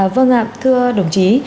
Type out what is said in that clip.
vâng ạ thưa đồng chí